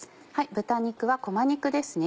豚肉はこま肉ですね